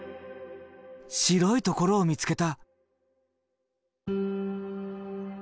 白いところを見つけた。